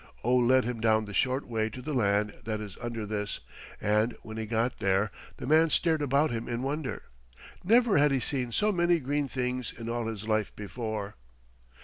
Oh led him down the short way to the land that is under this, and when he got there the man stared about him in wonder. Never had he seen so many green things in all his life before.